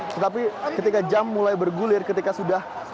tetapi ketika jam mulai bergulir ketika sudah